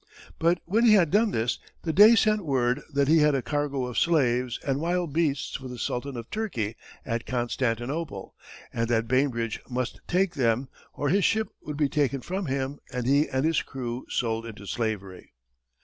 But when he had done this, the Dey sent word that he had a cargo of slaves and wild beasts for the Sultan of Turkey at Constantinople, and that Bainbridge must take them, or his ship would be taken from him and he and his crew sold into slavery.